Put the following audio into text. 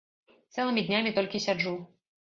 Цэлымі днямі толькі сяджу.